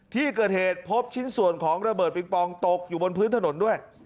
ที่เกิดเหตุพบชิ้นส่วนของระเบิดปิงปองตกอยู่บนพื้นถนนด้วย